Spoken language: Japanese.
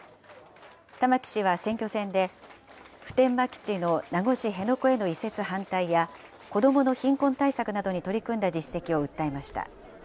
玉城氏は選挙戦で、普天間基地の名護市辺野古への移設反対や、子どもの貧困対策などに取り組んだ実績を訴えました。